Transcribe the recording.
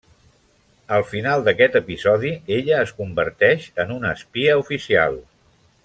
Al final d'aquest episodi, ella es converteix en una espia oficial.